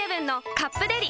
「カップデリ」